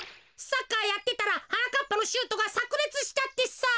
サッカーやってたらはなかっぱのシュートがさくれつしちゃってさ。